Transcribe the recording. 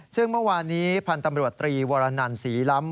ซึ่งเมื่อวานนี้พันธ์ตำรวจตรีวรนันศรีล้ำ